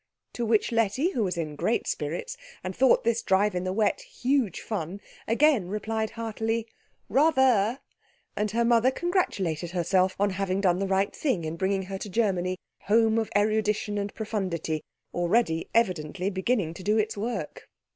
To which Letty, who was in great spirits, and thought this drive in the wet huge fun, again replied heartily, "Rather," and her mother congratulated herself on having done the right thing in bringing her to Germany, home of erudition and profundity, already evidently beginning to do its work.